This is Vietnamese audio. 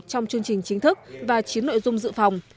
trong chương trình chính thức và chín nội dung dự phòng